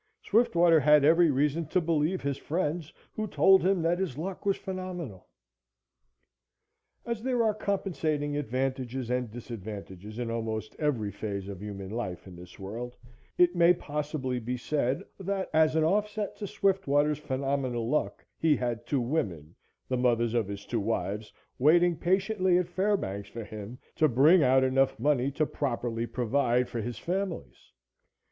Swiftwater had every reason to believe his friends who told him that his luck was phenomenal. As there are compensating advantages and disadvantages in almost every phase of human life in this world, it may possibly be said that as an offset to Swiftwater's phenomenal luck, he had two women, the mothers of his two wives, waiting patiently at Fairbanks for him to bring out enough money to properly provide for his families.